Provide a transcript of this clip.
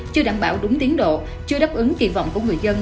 chưa đảm bảo đúng tiến độ chưa đáp ứng kỳ vọng của người dân